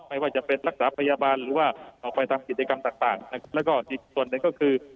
ไม่ว่าจะเป็นรักษาพยาบาลหรือว่าออกไปทำกิจกรรมต่างนะครับแล้วก็อีกส่วนหนึ่งก็คือ